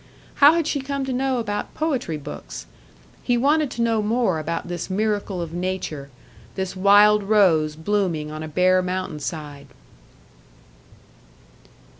How had she come to know about poetry books? He wanted to know more about this miracle of Nature this wild rose blooming on a bare mountain side!